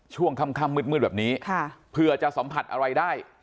ช่วงค่ำมืดแบบนี้เผื่อจะสัมผัสอะไรได้